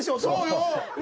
そうよ。